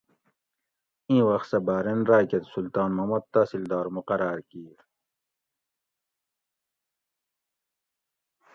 اِیں وخت سہ بحرین راۤکہ سلطان محمد تحصیلدار مقراۤر کیر